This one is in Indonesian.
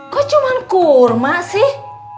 kok cuman kurma sih